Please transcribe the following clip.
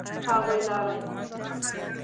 هغوی لاړل